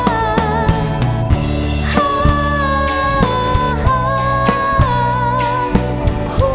ฮ่าฮู้ฮู้